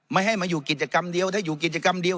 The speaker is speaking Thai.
ไม่ให้มาอยู่กิจกรรมเดียวถ้าอยู่กิจกรรมเดียว